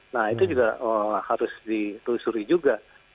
nah itu juga harus ditelusuri juga